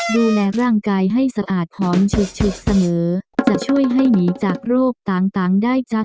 ดูแลร่างกายให้สะอาดหอมฉุกฉุกเสนอจะช่วยให้หนีจากโรคต่างได้จัง